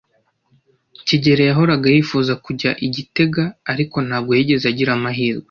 kigeli yahoraga yifuza kujya i gitega, ariko ntabwo yigeze agira amahirwe.